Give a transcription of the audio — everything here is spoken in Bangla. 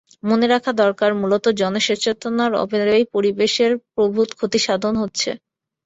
মনে রাখা দরকার, মূলত জনসচেতনতার অভাবেই পরিবেশের প্রভূত ক্ষতি সাধন হচ্ছে।